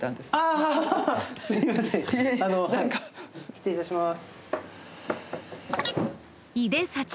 失礼いたします。